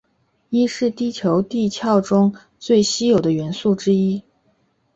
铱是地球地壳中最稀有的元素之一。